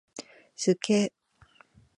すっげー！